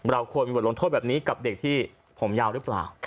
เราควรมีบทลงโทษแบบนี้กับเด็กที่ผมยาวหรือเปล่า